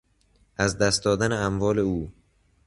از دست دادن اموال او